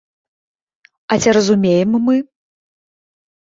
А ці разумеем мы?